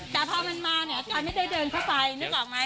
แต่พอมันมาเนี่ยกายไม่ได้เดินเข้าไปนึกออกไหม